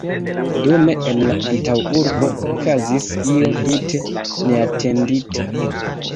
Dume en la antaŭurbo okazis io tute neatendita.